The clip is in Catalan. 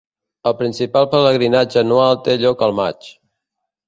El principal pelegrinatge anual té lloc al maig.